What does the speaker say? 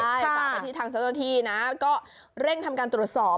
ฝากไปที่ทางเจ้าหน้าที่นะก็เร่งทำการตรวจสอบ